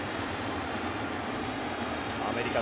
アメリカ